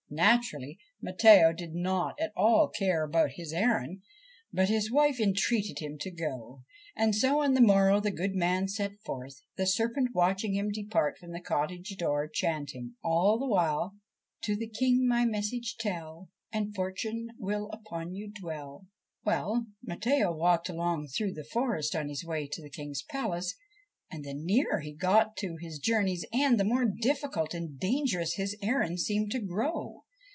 Naturally Matteo did not at all care about his errand ; but his wife entreated him to go, and so on the morrow the good man set forth, the serpent watching him depart from the cottage door, chant ing all the while : 1 To the King my message tell, And fortune will upon you dwell.' Well, Matteo walked along through the forest on his way to the King's palace, and the nearer he got to his journey's end the more difficult and dangerous his errand seemed to grow.